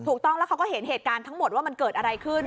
ถูกต้องแล้วเขาก็เห็นเหตุการณ์ทั้งหมดว่ามันเกิดอะไรขึ้น